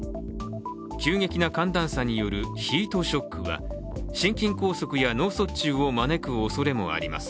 急激な寒暖差によるヒートショックは心筋梗塞や脳卒中を招くおそれもあります。